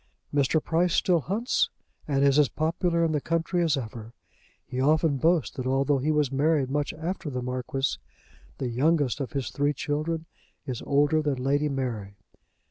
Mr. Price still hunts, and is as popular in the country as ever. He often boasts that although he was married much after the Marquis, the youngest of his three children is older than Lady Mary.